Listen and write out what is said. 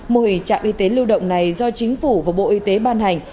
mô hình trạm y tế lưu động này do chính phủ và bộ y tế ban hành